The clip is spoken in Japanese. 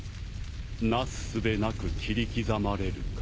なすすべなく切り刻まれるか。